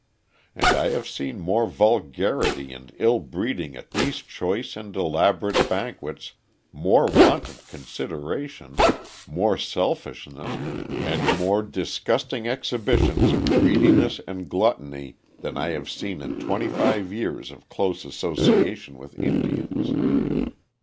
And I have seen more vulgarity and ill breeding at these choice and elaborate banquets, more want of consideration, more selfishness, and more disgusting exhibitions of greediness and gluttony than I have seen in twenty five years of close association with Indians.